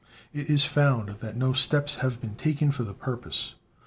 It is found that no steps have been taken for the purpose.